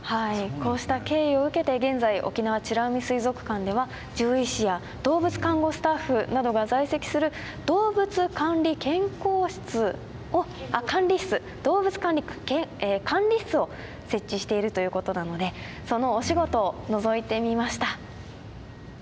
こうした経緯を受けて現在沖縄美ら海水族館では獣医師や動物看護スタッフなどが在籍する動物健康管理室を設置しているということなのでそのお仕事をのぞいてみました。